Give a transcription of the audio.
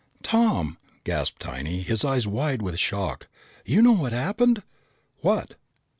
"Tom!" gasped Tiny, his eyes wide with shock. "You know what happened?" "What?"